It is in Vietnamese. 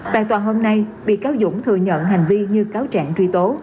tại tòa hôm nay bị cáo dũng thừa nhận hành vi như cáo trạng truy tố